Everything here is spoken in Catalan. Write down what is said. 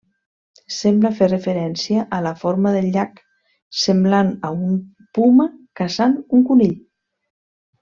Sembla fer referència a la forma del llac, semblant a un puma caçant un conill.